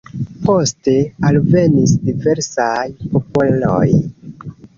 Poste alvenis diversaj popoloj.